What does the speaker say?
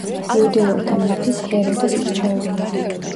იუდეველთა მეფის ჰეროდეს მრჩეველი.